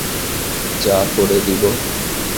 চা করে দিবো?